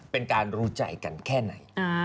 เป็นการรู้ใจกันแค่ไหน